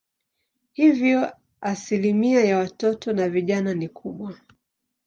Hivyo asilimia ya watoto na vijana ni kubwa.